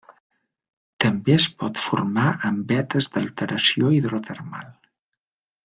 També es pot formar en vetes d'alteració hidrotermal.